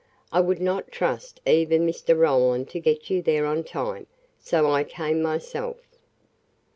"I would not trust even Mr. Roland to get you there on time, so I came myself."